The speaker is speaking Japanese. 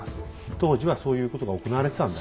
当時はそういうことが行われてたんだ。